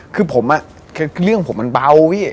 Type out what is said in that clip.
คือเรื่องผมมันเบา